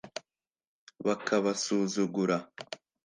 bakabasuzugura